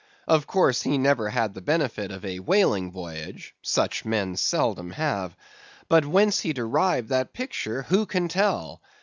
Of course, he never had the benefit of a whaling voyage (such men seldom have), but whence he derived that picture, who can tell?